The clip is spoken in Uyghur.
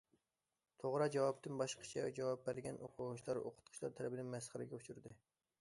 « توغرا جاۋاب» تىن باشقىچە جاۋاب بەرگەن ئوقۇغۇچىلار ئوقۇتقۇچىلار تەرىپىدىن مەسخىرىگە ئۇچرىدى.